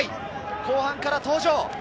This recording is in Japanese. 後半から登場。